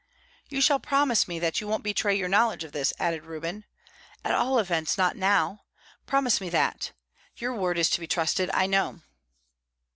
"You shall promise me that you won't betray your knowledge of this," added Reuben. "At all events, not now. Promise me that. Your word is to be trusted, I know."